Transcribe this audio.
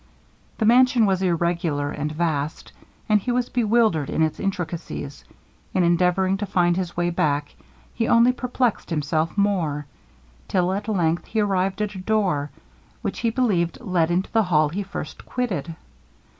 The mansion was irregular and vast, and he was bewildered in its intricacies. In endeavouring to find his way back, he only perplexed himself more, till at length he arrived at a door, which he believed led into the hall he first quitted.